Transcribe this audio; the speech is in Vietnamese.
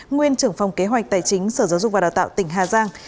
nguyên trưởng phòng kế hoạch tài chính sở giáo dục và đào tạo tỉnh hà giang